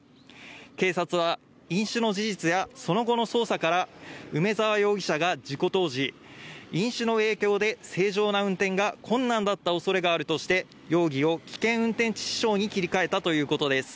警察は飲酒の事実や、その後の捜査から梅沢容疑者が事故当時、飲酒の影響で正常な運転が困難だった恐れがあるとして、容疑を危険運転致死傷に切り替えたということです。